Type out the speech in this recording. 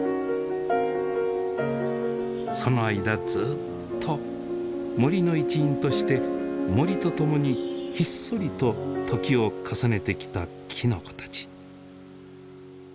その間ずっと森の一員として森とともにひっそりと時を重ねてきたきのこたち。